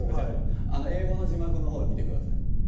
英語の字幕の方を見てください。